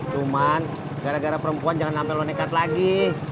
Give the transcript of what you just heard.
cuman gara gara perempuan jangan sampai lo nekat lagi